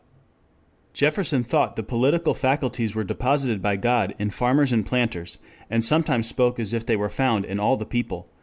V.] Jefferson thought the political faculties were deposited by God in farmers and planters, and sometimes spoke as if they were found in all the people.